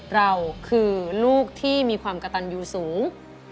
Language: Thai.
เราคือลูกที่มีความกระตันยูสูง